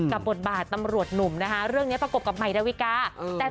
บทบาทตำรวจหนุ่มนะคะเรื่องนี้ประกบกับใหม่ดาวิกา